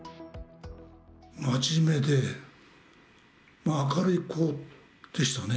真面目で、明るい子でしたね。